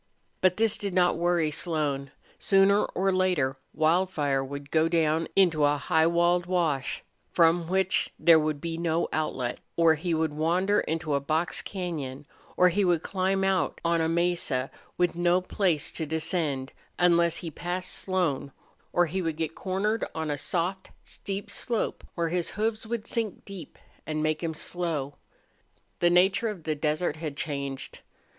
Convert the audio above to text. But this did not worry Slone. Sooner or later Wildfire would go down into a high walled wash, from which there would be no outlet; or he would wander into a box cañon; or he would climb out on a mesa with no place to descend, unless he passed Slone; or he would get cornered on a soft, steep slope where his hoofs would sink deep and make him slow. The nature of the desert had changed.